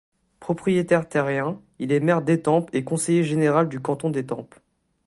Propriétaire terrien, il est maire d’Étampes et conseiller général du canton d’Étampes.